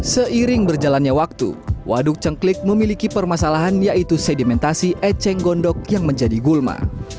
seiring berjalannya waktu waduk cengklik memiliki permasalahan yaitu sedimentasi eceng gondok yang menjadi gulma